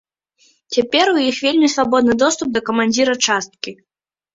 Цяпер у іх вельмі свабодны доступ да камандзіра часткі.